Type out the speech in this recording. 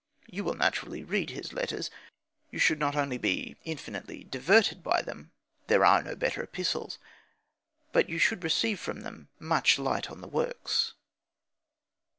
You will naturally read his letters; you should not only be infinitely diverted by them (there are no better epistles), but you should receive from them much light on the works.